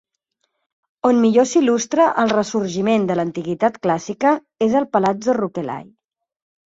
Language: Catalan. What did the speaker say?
On millor s'il·lustra el ressorgiment de l'antiguitat clàssica és al Palazzo Rucellai.